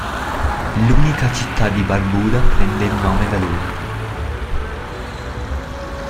L'unica città di Barbuda prende nome da lui.